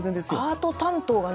アート担当がね